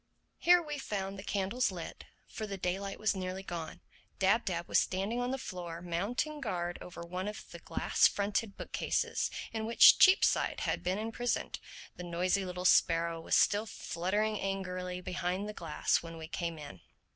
Here we found the candles lit; for the daylight was nearly gone. Dab Dab was standing on the floor mounting guard over one of the glass fronted book cases in which Cheapside had been imprisoned. The noisy little sparrow was still fluttering angrily behind the glass when we came in.